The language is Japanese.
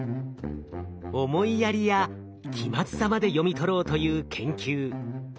思いやりや気まずさまで読み取ろうという研究。